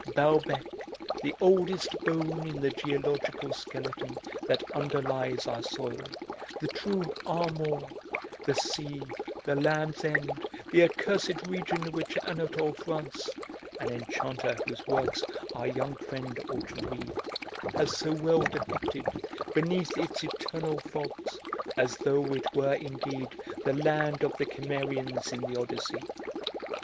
Balbec! the oldest bone in the geological skeleton that underlies our soil, the true Armor, the sea, the land's end, the accursed region which Anatole France an enchanter whose works our young friend ought to read has so well depicted, beneath its eternal fogs, as though it were indeed the land of the Cimmerians in the Odyssey.